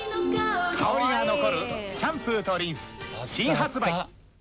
香りが残るシャンプーとリンス新発売。